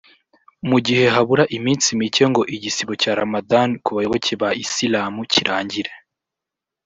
Mu gihe habura iminsi mike ngo igisibo cya Ramadhan ku bayoboke ba Isilamu kirangire